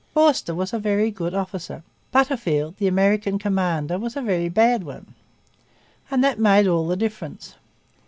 Forster was a very good officer. Butterfield, the American commander, was a very bad one. And that made all the difference.